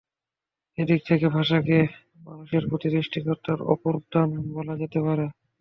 এদিক থেকে ভাষাকে মানুষের প্রতি সৃষ্টিকর্তার অপূর্ব দান বলা যেতে পারে।